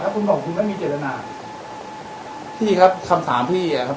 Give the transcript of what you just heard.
คุณบอกคุณไม่มีเจตนาพี่ครับคำถามพี่อ่ะครับ